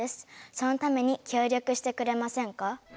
そのために協力してくれませんか？